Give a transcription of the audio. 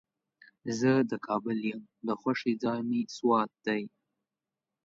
زه د کابل یم، د خوښې ځای مې سوات دی.